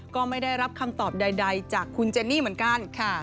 ก็ไม่ได้รับคำตอบใดจากคุณเจนี่เหมือนกันค่ะ